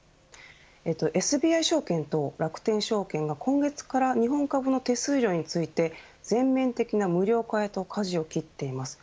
ＳＢＩ証券と楽天証券が今月から日本株の手数料について全面的な無料化へとかじを切っています。